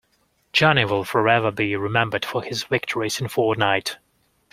Johnny will forever be remembered for his victories in Fortnite.